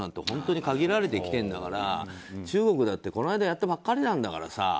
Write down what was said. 本当に限られてきているんだから中国だってこの間やったばかりなんだからさ。